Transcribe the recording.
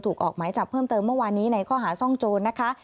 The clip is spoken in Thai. ออกหมายจับเพิ่มเติมเมื่อวานนี้ในข้อหาซ่องโจรนะคะ